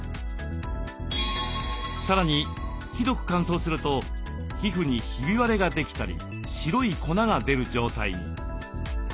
さらにひどく乾燥すると皮膚にひび割れができたり白い粉が出る状態に。